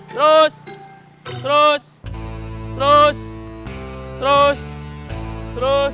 terus terus terus terus